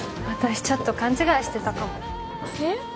私ちょっと勘違いしてたかもえっ？